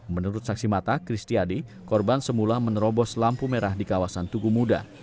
menurut saksi mata kristiadi korban semula menerobos lampu merah di kawasan tugu muda